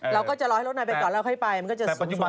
เราก็จะรอให้รถนายไปก่อนแล้วค่อยไปมันก็จะสูงกว่า